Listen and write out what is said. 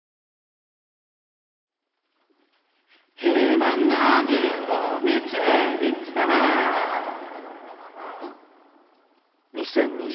「今何を見ていた」